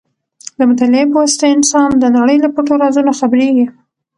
د مطالعې په واسطه انسان د نړۍ له پټو رازونو خبرېږي.